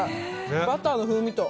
バターの風味と。